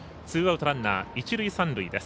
ツーアウト、ランナー、一塁三塁。